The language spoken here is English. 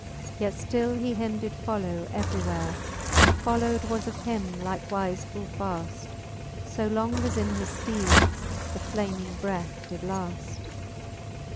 Yet ftill he him did follow every where, And followed was of him likewife full faft ; So long as in his fteedes the flaming breath did laft.